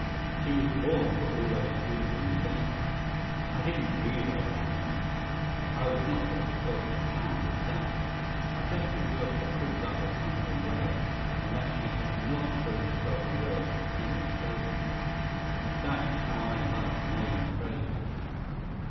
She was born for all that is beautiful and dainty. I didn't grieve over her marriage. I was not such a selfish hound as that. I just rejoiced that good luck had come her way, and that she had not thrown herself away on a penniless sailor. That's how I loved Mary Fraser.